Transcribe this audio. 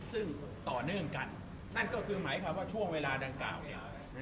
ซึ่งต่อเนื่องกันนั่นก็คือหมายความว่าช่วงเวลาดังกล่าวเนี่ย